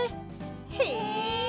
へえ！